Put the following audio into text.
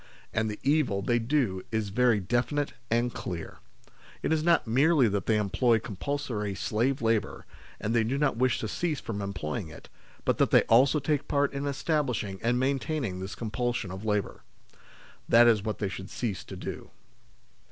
And the evil they do is very definite and clear. It is not merely that they employ compulsory slave 115 n6 THE SLAVERY OF OUR TIMES labour, and do not wish to cease from employing it, but that they also take part in establishing and maintaining this compulsion of labour. That is what they should cease to do.